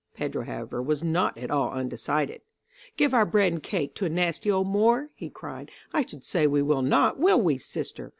Pedro, however, was not at all undecided. "Give our bread and cake to a nasty old Moor?" he cried; "I should say we will not, will we, sister?